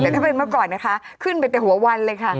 กันขึ้นไปแต่หัววันเลยค่ะ